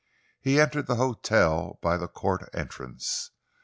He entered the hotel by the Court entrance.